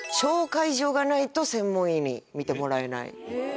がないと専門医に診てもらえない。